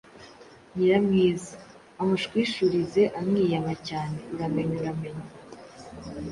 Nyiramwiza: Amushwishurize amwiyama cyane Uramenye uramenye